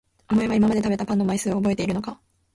お前は今まで食べたパンの枚数を覚えているのか？